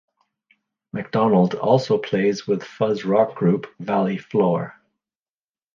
MacDonald also plays with fuzz rock group 'Valley Floor'.